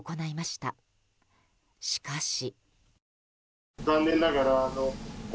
しかし。